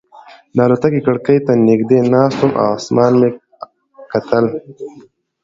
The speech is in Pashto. د الوتکې کړکۍ ته نږدې ناست وم او اسمان مې کتل.